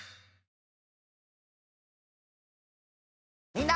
みんな。